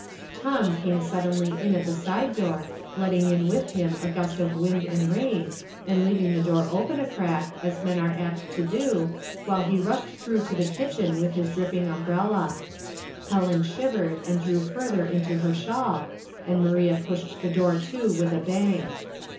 Tom came suddenly in at the side door, letting in with him a gust of wind and rain, and leaving the door open a crack, as men are apt to do, while he rushed through to the kitchen with his dripping umbrella. Helen shivered and drew further into her shawl, and Maria pushed the door to with a bang.